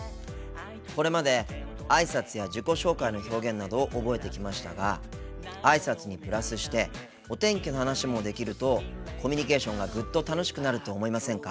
これまで挨拶や自己紹介の表現などを覚えてきましたが挨拶にプラスしてお天気の話もできるとコミュニケーションがぐっと楽しくなると思いませんか？